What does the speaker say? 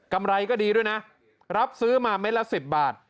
ไรก็ดีด้วยนะรับซื้อมาเม็ดละ๑๐บาท